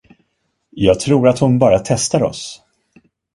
Jag tror att hon bara testar oss.